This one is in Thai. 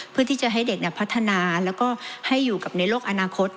เพื่อที่จะให้เด็กพัฒนาแล้วก็ให้อยู่กับในโลกอนาคต